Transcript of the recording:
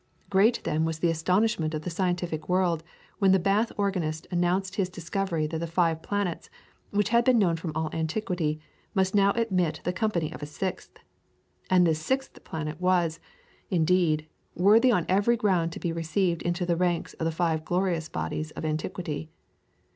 Great then was the astonishment of the scientific world when the Bath organist announced his discovery that the five planets which had been known from all antiquity must now admit the company of a sixth. And this sixth planet was, indeed, worthy on every ground to be received into the ranks of the five glorious bodies of antiquity.